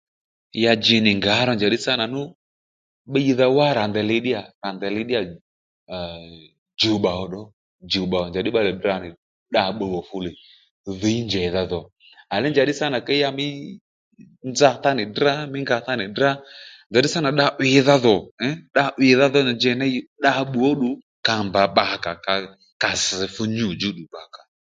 Ya ji nì ngǎ ro njàddí sâ nà nú bbiydha wá rà ndèyli ddí yà aa djùbba oo ddoo djùbbà ò njàddí bbalè tdra nì dda bbùw ò fu lè dhǐy njèydha dho à léy njàddí sâ nà ke ya mí nza tá nì ddrá mí nga tánì drá njàddí sâ nà dda 'wiydha dho ee dda 'wiydha dho ndèy njèy ney dda bbùw ó ddù kà mba bbakà ò ka sš fú nyû djú ddù bbakà ò